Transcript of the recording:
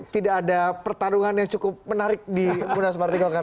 tidak ada pertarungan yang cukup menarik di munas partai golkar